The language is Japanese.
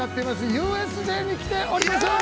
ＵＳＪに来ております。